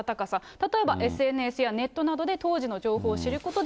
例えばＳＮＳやネットなどで当時の情報を知ることで。